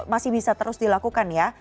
masih bisa terus dilakukan ya